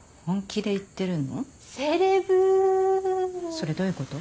それどういうこと？